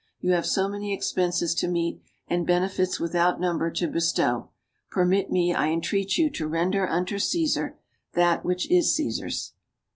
You have so many expenses to meet, and benefits without number to bestow. Permit me, I entreat you, to render unto Caesar that which is Caesar's.